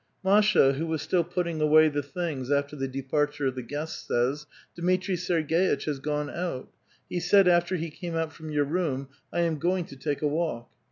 Masha, who was still putting away the things after the departure of the guests, says, *' Dmitri Serg^itch has gone out. He said, after he came out from your room, ' I am go ing to take a walk.'